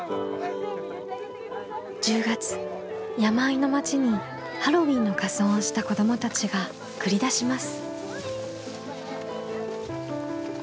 １０月山あいの町にハロウィーンの仮装をした子どもたちが繰り出します。